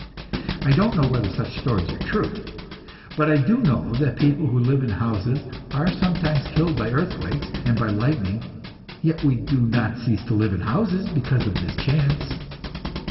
I don't know whether such stories are true; but I do know that people who live in houses are sometimes killed by earthquakes and by lightning, yet we do not cease to live in houses because of this chance.